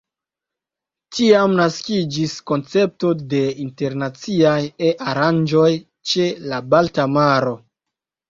Tiam naskiĝis koncepto de internaciaj E-aranĝoj ĉe la Balta Maro.